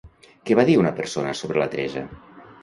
Què va dir una persona sobre la Teresa?